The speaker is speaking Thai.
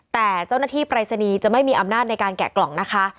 แต่เจ้าหน้าที่ปรายศนีย์จะไม่มีอำนาจในการแกะกล่องนะคะ